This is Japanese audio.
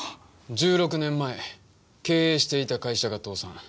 １６年前経営していた会社が倒産。